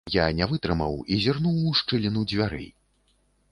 Я не вытрымаў і зірнуў у шчыліну дзвярэй.